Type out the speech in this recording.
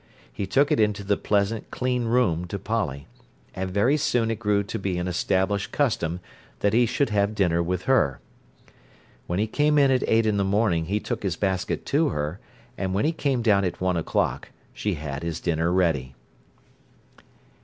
He took it into the pleasant, clean room to Polly. And very soon it grew to be an established custom that he should have dinner with her. When he came in at eight in the morning he took his basket to her, and when he came down at one o'clock she had his dinner ready.